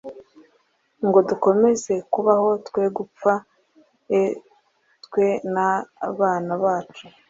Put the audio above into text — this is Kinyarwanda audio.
ngo dukomeze kubaho twe gupfa e twe nawe n abana bacu f